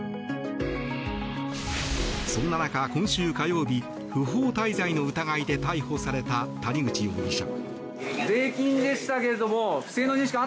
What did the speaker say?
そんな中、今週火曜日不法滞在の疑いで逮捕された谷口容疑者。